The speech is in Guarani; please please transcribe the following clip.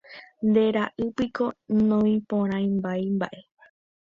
Nde ra'ýpiko noĩporãmbáimba'e